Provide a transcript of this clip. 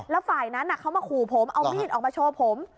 แล้วฝ่ายนั้นเขามาขู่ผมเอามีดออกมาโชว์ผม